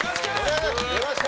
出ました！